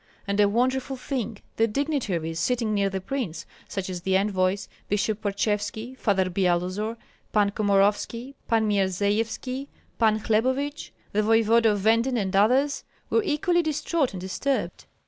And, a wonderful thing! the dignitaries sitting near the prince, such as the envoys, Bishop Parchevski, Father Byalozor, Pan Komorovski, Pan Myerzeyevski, Pan Hlebovich, the voevoda of Venden, and others, were equally distraught and disturbed.